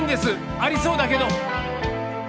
ありそうだけど。